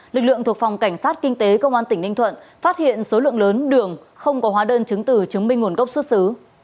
lực lượng thuộc phòng cảnh sát kinh tế công an tỉnh ninh thuận phát hiện số lượng lớn đường không có hóa đơn chứng từ chứng minh nguồn gốc xuất xứ